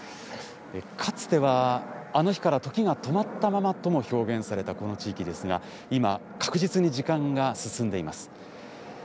かつては、あの日から時が止まったままとも表現されたこの地域ですが、今、確実に時間が進んでいます。